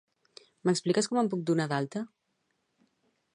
M'expliques com em puc donar d'alta?